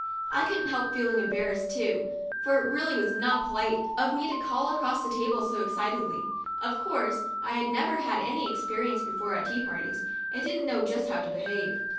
I couldn't help feeling embarrassed 32 TUESDAY— A TEA PARTY AND ITS RESULTS too, for it really was not polite of me to call across the table so excitedly. Of course, I had never had any experience before at tea parties, and didn't know just how to behave.